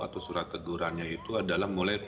atau surat tegurannya itu adalah mulai